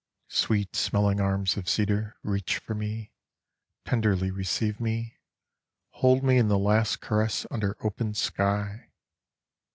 Sweet smelling arms of cedar, reach for me, Tenderly receive me, Hold me in the Last Caress under open sky!